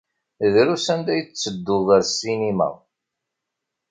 Drus anda ay ttedduɣ ɣer ssinima.